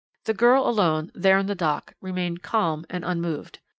The girl alone, there in the dock, remained calm and unmoved.